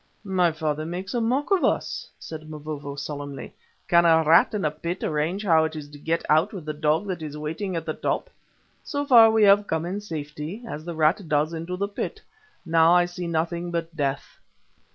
"My father makes a mock of us," said Mavovo solemnly. "Can a rat in a pit arrange how it is to get out with the dog that is waiting at the top? So far we have come in safety, as the rat does into the pit. Now I see nothing but death."